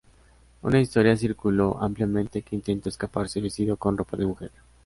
Una historia circuló ampliamente que intentó escaparse vestido con ropa de mujer.